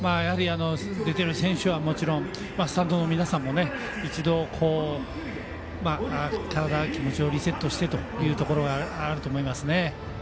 出ている選手はもちろんスタンドの皆さんも一度、体と気持ちをリセットしてというところがあると思いますね。